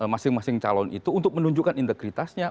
masing masing calon itu untuk menunjukkan integritasnya